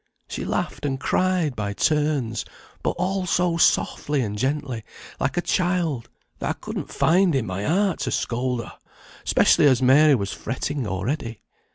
She laughed and cried by turns, but all so softly and gently, like a child, that I couldn't find in my heart to scold her, especially as Mary was fretting already.